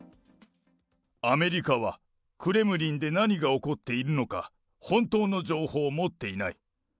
アメリカは、クレムリンで何が起こっているのか、本当の情報を持っていない。